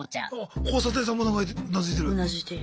交差点さんもうなずいてる。